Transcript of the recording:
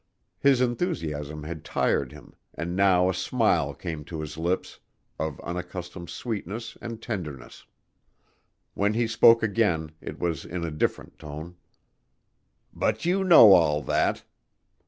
His enthusiasm had tired him and now a smile came to his lips of unaccustomed sweetness and tenderness. When he spoke again it was in a different tone. "But you know all that.